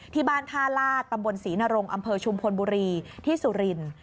ท่าลาศตำบลศรีนรงอำเภอชุมพลบุรีที่สุรินทร์